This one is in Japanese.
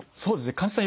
患者さん